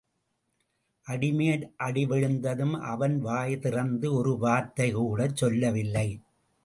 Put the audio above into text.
அடிமேல் அடிவிழுந்ததும், அவன் வாய் திறந்து ஒரு வார்த்தைகூடச்சொல்லவில்லை.